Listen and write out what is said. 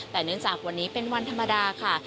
แต่เนื่องจากวันนี้เป็นวันธรรมดาค่ะ